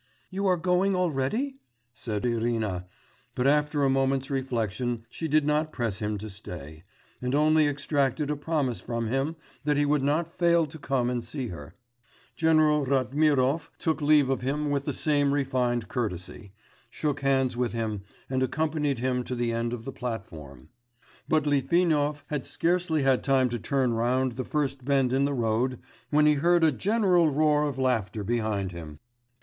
'You are going already?' said Irina, but after a moment's reflection she did not press him to stay, and only extracted a promise from him that he would not fail to come and see her. General Ratmirov took leave of him with the same refined courtesy, shook hands with him and accompanied him to the end of the platform.... But Litvinov had scarcely had time to turn round the first bend in the road when he heard a general roar of laughter behind him.